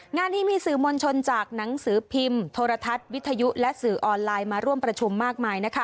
งานนี้มีสื่อมวลชนจากหนังสือพิมพ์โทรทัศน์วิทยุและสื่อออนไลน์มาร่วมประชุมมากมายนะคะ